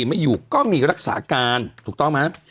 ไม่อยู่ก็มีรักษาการถูกต้องไหม